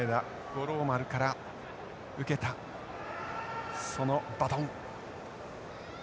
五郎丸から受けたそのバトン。